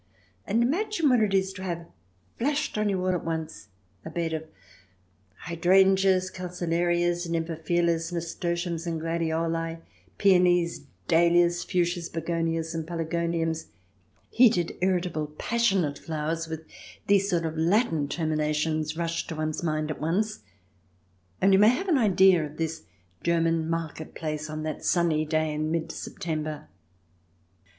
And imagine what it is to have flashed on you all at once a bed of hydrangeas, calceolarias, nemophilas, nasturtiums, and gladioli, peonies, dahlias, fuchsias, I40 THE DESIRABLE ALIEN [ch. ix begonias and pelargoniums — heated, irritable, passionate flowers with these sort of Latin termina tions rush to one's mind at once — and you may have an idea of this German market place on that sunny day in mid September.